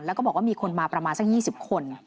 แล้วก็บอกว่ามีคนมาประมาณสัก๒๐คน